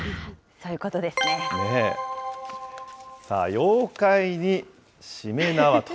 妖怪にしめ縄と。